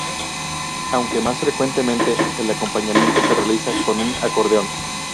Aunque más frecuentemente, el acompañamiento se realiza con un acordeón.